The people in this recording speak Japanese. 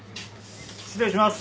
失礼します。